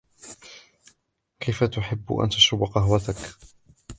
كيف تحب أن تشرب قهوتك.